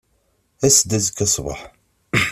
As-d azekka ṣṣbeḥ.